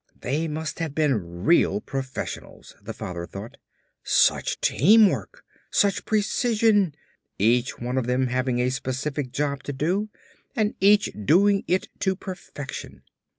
They must have been real professionals, the father thought. Such teamwork! Such precision! Each one of them having a specific job to do and each doing it to perfection.